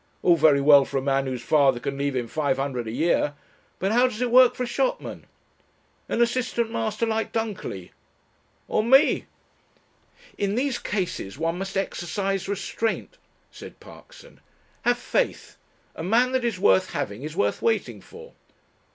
All very well for a man whose father can leave him five hundred a year. But how does it work for a shopman?... An assistant master like Dunkerley? Or ... Me?" "In these cases one must exercise restraint," said Parkson. "Have faith. A man that is worth having is worth waiting for."